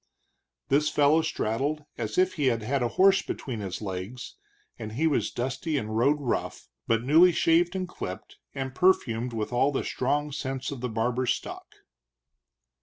This fellow straddled as if he had a horse between his legs, and he was dusty and road rough, but newly shaved and clipped, and perfumed with all the strong scents of the barber's stock.